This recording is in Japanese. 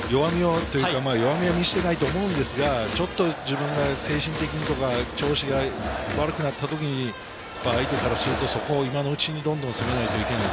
弱みは見せてないと思うんですが、ちょっと自分が精神的にとか、調子が悪くなったときに、相手からすると、そこを今のうちにどんどん攻めないといけない。